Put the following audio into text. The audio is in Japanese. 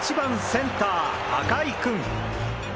センター赤井君。